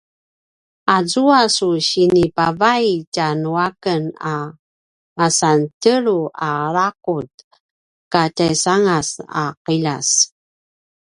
azua su sinipavai tja nu aken a masantjelulj a laqulj katjaisangas a qiljas